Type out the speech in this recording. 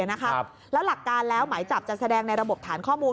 แล้วหลักการแล้วหมายจับจะแสดงในระบบฐานข้อมูล